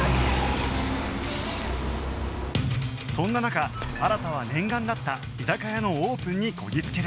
そんな中新は念願だった居酒屋のオープンにこぎ着ける